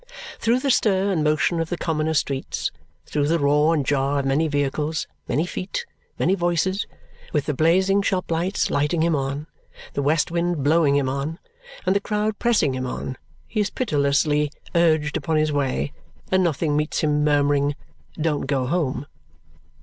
Through the stir and motion of the commoner streets; through the roar and jar of many vehicles, many feet, many voices; with the blazing shop lights lighting him on, the west wind blowing him on, and the crowd pressing him on, he is pitilessly urged upon his way, and nothing meets him murmuring, "Don't go home!"